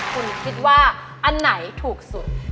คุณคิดว่าอันไหนถูกสุด